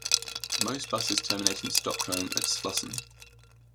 Most buses terminate in Stockholm at Slussen.